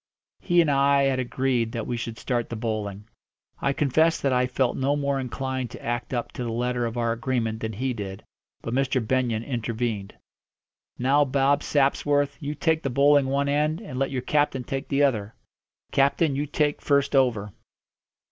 He and I had agreed that we should start the bowling. I confess that I felt no more inclined to act up to the letter of our agreement than he did. But Mr. Benyon intervened. "Now, Bob Sapsworth, you take the bowling one end, and let your captain take the other. Captain, you take first over."